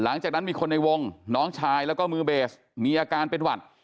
หลังจากนั้นมีคนในวงน้องชายแล้วก็มือเบสมีอาการเป็นหวัด